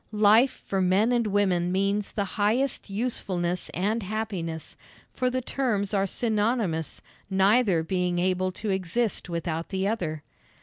Life for men and women means the highest usefulness and happiness, for the terms are synonymous, neither being able to exist without the other.